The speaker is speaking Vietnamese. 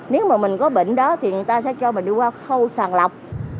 nếu mà mình có bệnh đó thì người ta sẽ cho mình đi qua khâu sàng lọc